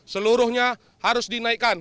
seluruhnya harus dinaikkan